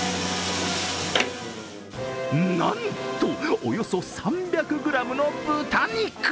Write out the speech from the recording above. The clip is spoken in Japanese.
なんと、およそ３００ｇの豚肉！